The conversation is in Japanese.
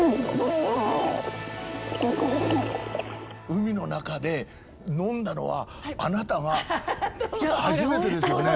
海の中で飲んだのはあなたが初めてですよね